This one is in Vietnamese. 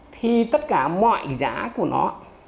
thì tất cả mọi giá của nó